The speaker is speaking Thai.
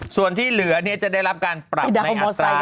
ส่วนที่เหลือเนี่ยจะได้รับการปรับในอัตรา